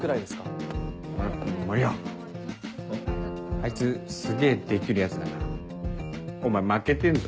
あいつすげぇできるヤツだなお前負けてんぞ。